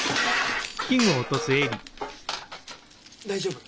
大丈夫？